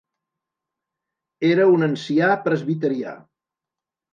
Era un ancià presbiterià.